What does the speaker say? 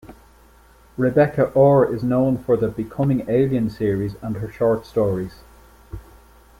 Rebecca Ore is known for the "Becoming Alien" series and her short stories.